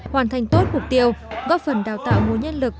hoàn thành tốt mục tiêu góp phần đào tạo mối nhất lực